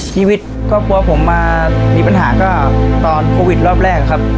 ชีวิตครอบครัวผมมามีปัญหาก็ตอนโควิดรอบแรกครับ